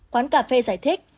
quán cà phê giải thích